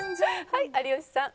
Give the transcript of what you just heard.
はい有吉さん。